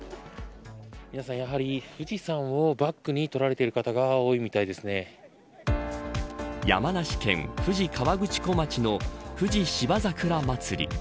皆さんやはり富士山をバックに撮られている方が山梨県富士河口湖町の富士芝桜まつり。